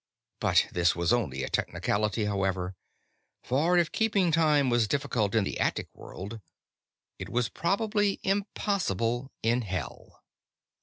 But this was only a technicality, however, for if keeping time was difficult in the attic world it was probably impossible in Hell.